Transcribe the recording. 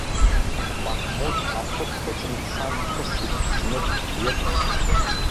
Маҳмуҭ ахәы дхыҵны дцан дхысит знык, ҩынтә.